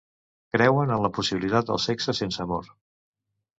Creuen en la possibilitat del sexe sense amor.